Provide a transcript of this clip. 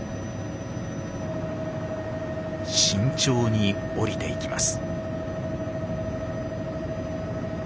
慎重に降りていきます。